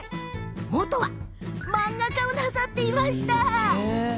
もともとは漫画家をなさっていました。